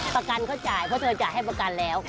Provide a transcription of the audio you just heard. ประกันเขาจ่ายเพราะเธอจ่ายให้ประกันแล้ว